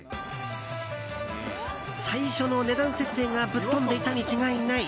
最初の値段設定がぶっ飛んでいたに違いない。